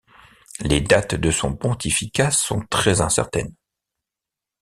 Les dates de son pontificat sont très incertaines.